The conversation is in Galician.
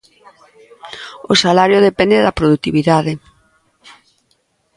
O salario depende da produtividade.